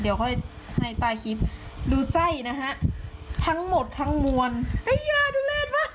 เดี๋ยวค่อยให้ตาคลิปดูไส้นะฮะทั้งหมดทั้งมวลไอ้ยาดูเล่นขึ้น